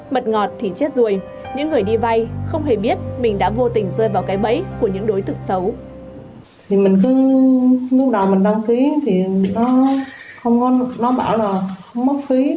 mật ngọt thì chết ruồi những người đi vay không hề biết mình đã vô tình rơi vào cái bẫy của những đối tượng xấu